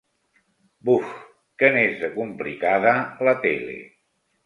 Buf, que n'és de complicada, la tele!